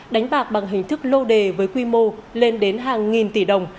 đánh bạc bằng hình thức lô đề với quy mô lên đến hàng nghìn tỷ đồng